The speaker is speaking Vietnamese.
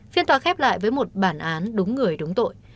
phiên tòa khép lại với một bản án đúng người đúng tội